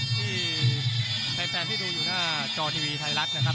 ที่แฟนที่ดูอยู่หน้าจอทีวีไทยรัฐนะครับ